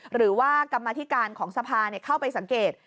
หรือว่ากรรมธิการของสภาเข้าไปสังเกต